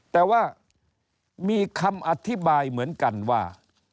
แต่ว่ามีคำอธิบายเหมือนกันว่า